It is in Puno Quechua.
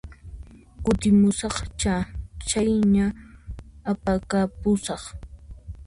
Kutimusaqchá, chayña apakapusaq